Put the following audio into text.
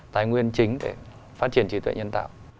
tài nguyên chính để phát triển trí tuệ nhân tạo